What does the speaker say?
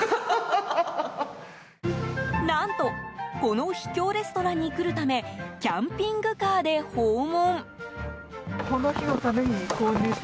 何とこの秘境レストランに来るためキャンピングカーで訪問。